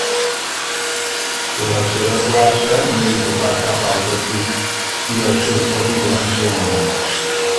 La seva plaça no l'ocupà cap altre equip i els seus partits van ser anul·lats.